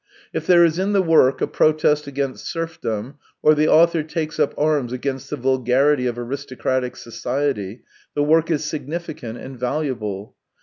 " If there is in the work a protest against serfdom, or the author takes up arms against the vulgarity of aristocratic society, the work is significant and valuable.